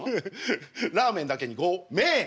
ラーメンだけにご「めん」！